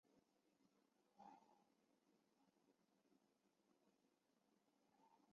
马上去旁边买马油